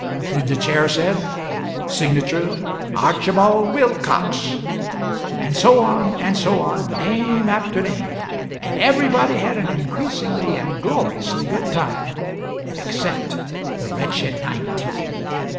Then the Chair said, "Signature, 'Archibald Wilcox.'" And so on, and so on, name after name, and everybody had an increasingly and gloriously good time except the wretched Nineteen.